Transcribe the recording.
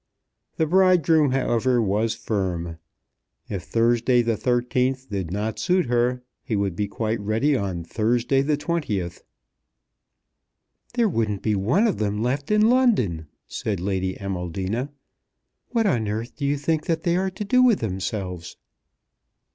The bridegroom, however, was firm. If Thursday, the 13th, did not suit her, he would be quite ready on Thursday, the 20th. "There wouldn't be one of them left in London," said Lady Amaldina. "What on earth do you think that they are to do with themselves?"